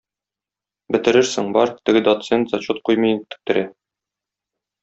Бетерерсең, бар, теге доцент зачет куймый интектерә!